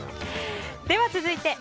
では続いて。